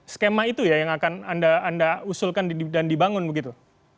skema itu ya yang akan anda usulkan dan dibangun begitu